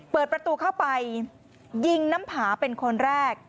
เปิดประตูเข้าไปยิงน้ำผาเป็นคนแรก